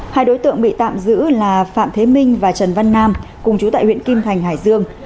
hai đối tượng bị tạm giữ là phạm thế minh và trần văn nam cùng chú tại huyện kim thành hải dương